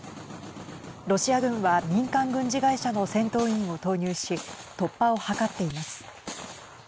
ロシア軍は民間軍事会社の戦闘員を投入し突破を図っています。